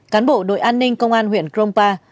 cán bộ đội an ninh công an huyện krongpa